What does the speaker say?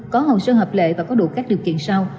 có hồ sơ hợp lệ và có đủ các điều kiện sau